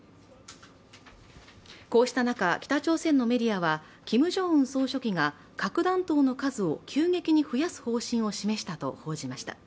こうした中、北朝鮮のメディアはキム・ジョンウン総書記が核弾頭の数を急激に増やす方針を示したと報じました。